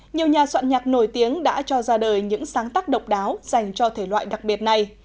nhiều nhà soạn nhạc nổi tiếng đã cho ra đời những sáng tác độc đáo dành cho thể loại đặc biệt này